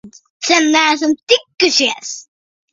Sen neesam tikušies!